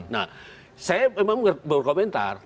nah saya memang berkomentar